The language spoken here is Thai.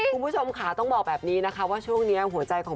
คุณผู้ชมค่ะต้องบอกแบบนี้นะคะว่าช่วงนี้หัวใจของ